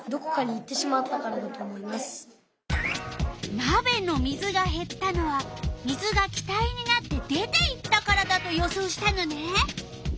なべの水がへったのは水が気体になって出ていったからだと予想したのね。